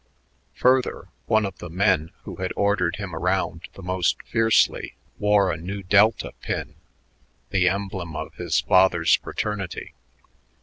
Further, one of the men who had ordered him around the most fiercely wore a Nu Delta pin, the emblem of his father's fraternity.